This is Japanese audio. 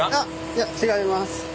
いや違います。